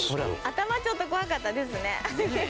頭ちょっと怖かったですね。